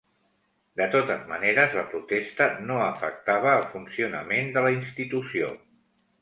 De totes maneres, la protesta no afectava el funcionament de la institució.